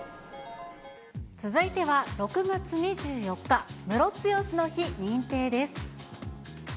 続いては、６月２４日、ムロツヨシの日、認定です。